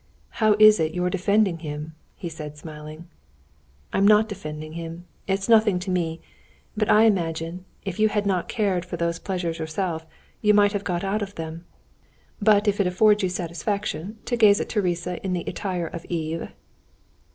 "How is it you're defending him?" he said, smiling. "I'm not defending him, it's nothing to me; but I imagine, if you had not cared for those pleasures yourself, you might have got out of them. But if it affords you satisfaction to gaze at Thérèse in the attire of Eve...."